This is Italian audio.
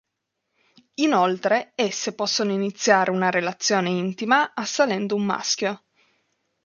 Inoltre, esse possono iniziare una relazione intima assalendo un maschio.